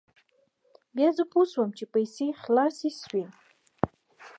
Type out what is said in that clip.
بیا زه پوه شوم چې پیسې خلاصې شوې.